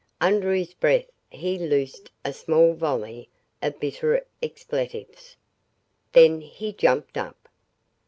Under his breath he loosed a small volley of bitter expletives. Then he jumped up.